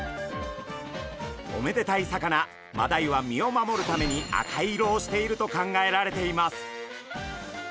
おめでたい魚マダイは身を守るために赤色をしていると考えられています。